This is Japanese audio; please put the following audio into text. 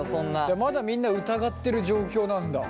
まだみんな疑ってる状況なんだ。